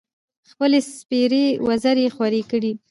خپـلې سپـېرې وزرې خـورې کـړې.